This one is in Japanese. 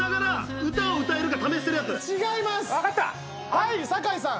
はい酒井さん。